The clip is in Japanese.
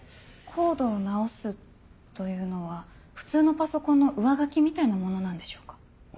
コードを直すというのは普通のパソコンの上書きみたいなものなんでしょうか？